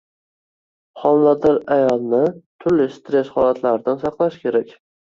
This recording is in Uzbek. Homilador ayolni turli stress holatlaridan saqlash kerak.